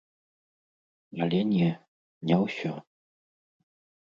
Але не, не ўсё.